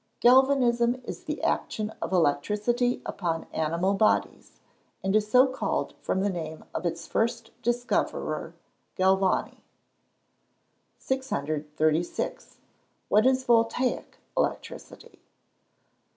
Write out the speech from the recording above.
_ Galvanism is the action of electricity upon animal bodies, and is so called from the name of its first discoverer, Galvani. 636. _What is Voltaic electricity?